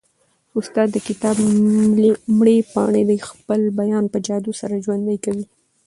استاد د کتاب مړې پاڼې د خپل بیان په جادو سره ژوندۍ کوي.